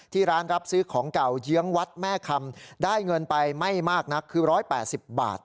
ร้านรับซื้อของเก่าเยื้องวัดแม่คำได้เงินไปไม่มากนักคือ๑๘๐บาท